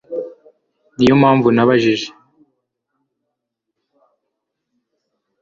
Niyo mpamvu nabajije